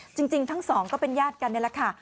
จริงทั้งสองก็เป็นญาติกันนี่แหละค่ะ